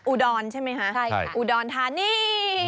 อูดอนใช่ไหมคะอูดอนทานี่